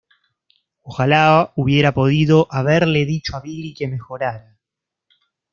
Ojalá hubiera podido haberle dicho a Billy que mejorará.